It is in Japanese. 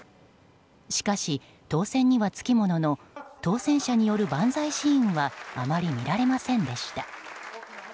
しかし当選にはつきものの当選者による万歳シーンはあまり見られませんでした。